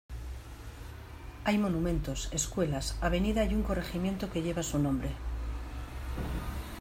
Hay monumentos, escuelas, avenida y un corregimiento que llevan su nombre.